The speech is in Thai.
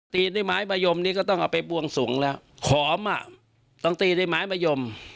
ด้วยไม้มะยมนี้ก็ต้องเอาไปบวงสวงแล้วขอมอ่ะต้องตีด้วยไม้มะยม